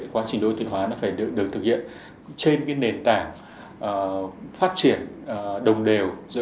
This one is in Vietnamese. quá trình đô thị hóa nó phải được thực hiện trên cái nền tảng phát triển đồng đều